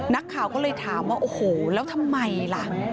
นักข่าวก็เลยถามว่าโอ้โหแล้วทำไมล่ะ